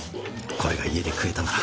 これが家で食えたなら。